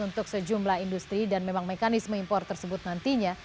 untuk sejumlah industri dan memang mekanisme impor tersebut nantinya